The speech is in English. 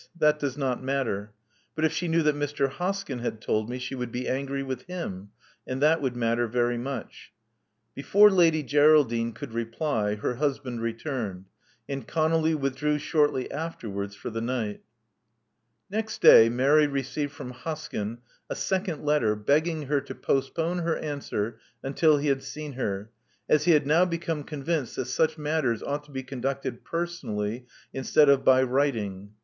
That does not matter. But if she knew that Mr. Hoskyn had told me she wotild be angry with him; and that wotdd matter very much." Before Lady Geraldine cotdd reply, her husband returned; and ConoUy withdrew shortly afterwards for the night Next day, Mary received from Hoskyn a second letter begging her to postpone her answer until he had seen her, as he had now become convinced that such matters ought to be conducted personally instead of by writing.